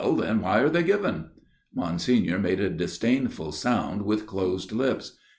Then why are they given ?" Monsignor made a disdainful sound with closed lips.